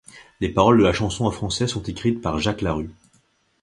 Les paroles de la chanson en français sont écrites par Jacques Larue.